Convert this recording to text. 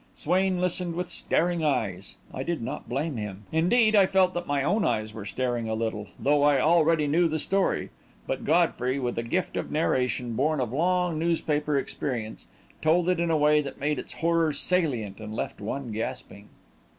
Swain listened with staring eyes. I did not blame him. Indeed, I felt that my own eyes were staring a little, though I already knew the story. But Godfrey, with a gift of narration born of long newspaper experience, told it in a way that made its horror salient and left one gasping.